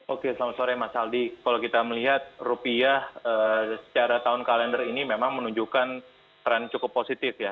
oke selamat sore mas aldi kalau kita melihat rupiah secara tahun kalender ini memang menunjukkan tren cukup positif ya